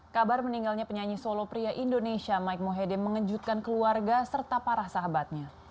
kabar meninggalnya penyanyi solo pria indonesia mike mohede mengejutkan keluarga serta para sahabatnya